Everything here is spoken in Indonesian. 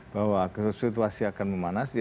bahwa situasi akan memanas